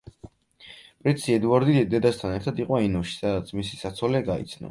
პრინცი ედუარდი დედასთან ერთად იყო ენოში, სადაც მისი საცოლე გაიცნო.